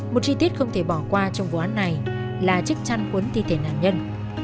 một chi tiết không thể bỏ qua trong vụ án này là chiếc trăn cuốn ti thể nạn nhân